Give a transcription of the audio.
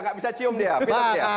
tidak bisa cium dia